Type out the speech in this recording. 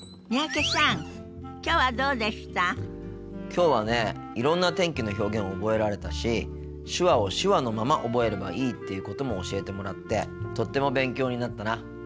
きょうはねいろんな天気の表現覚えられたし手話を手話のまま覚えればいいっていうことも教えてもらってとっても勉強になったな。